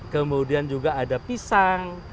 kemudian juga ada pisang